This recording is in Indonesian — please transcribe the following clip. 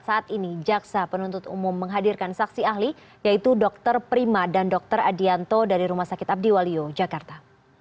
saat ini jaksa penuntut umum menghadirkan saksi ahli yaitu dokter prima dan dr adianto dari rumah sakit abdiwaluyo jakarta